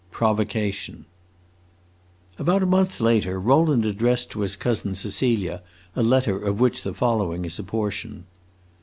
Provocation About a month later, Rowland addressed to his cousin Cecilia a letter of which the following is a portion